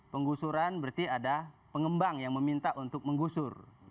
penggusuran berarti ada pengembang yang meminta untuk menggusur